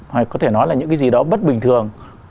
hoặc có thể nói là những cái gì đó bất bình thường